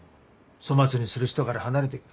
粗末にする人から離れてく。